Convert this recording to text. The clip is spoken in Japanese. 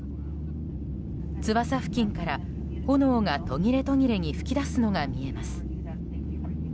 翼付近から炎が途切れ途切れに噴き出すのが見えます。